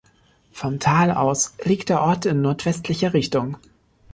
Vom Tal aus liegt der Ort in nordwestlicher Richtung.